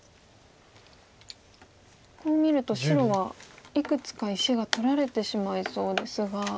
こう見ると白はいくつか石が取られてしまいそうですが。